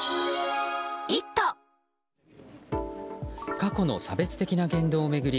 過去の差別的な言動を巡り